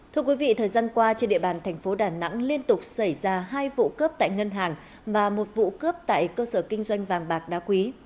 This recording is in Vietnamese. thưa quý vị thời gian qua trên địa bàn thành phố đà nẵng liên tục xảy ra hai vụ cướp tại ngân hàng và một vụ cướp tại cơ sở kinh doanh vàng bạc đá quý